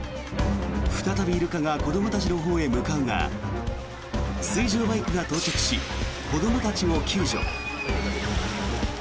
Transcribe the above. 再び、イルカが子どもたちのほうへ向かうが水上バイクが到着し子どもたちを救助。